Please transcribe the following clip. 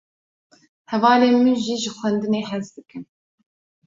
Hevalên min jî ji xwendinê hez dikin.